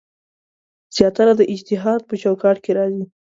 زیاتره د اجتهاد په چوکاټ کې راځي.